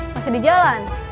masih di jalan